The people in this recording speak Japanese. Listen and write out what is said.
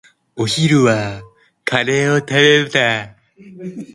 お昼はカレーを食べた。